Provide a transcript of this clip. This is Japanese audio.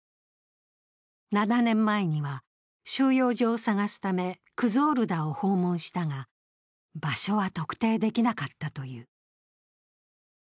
７年前には、収容所を探すためクズオルダを訪問したが、場所は特定できなかったという。